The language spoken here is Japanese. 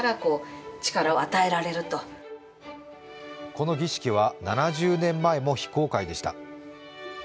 この儀式は７０年前も非公開でした。